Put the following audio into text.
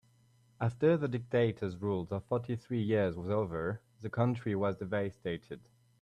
After the dictator's rule of fourty three years was over, the country was devastated.